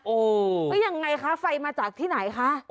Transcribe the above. อู้วยังไงคะไฟมาจากที่ไหนคะ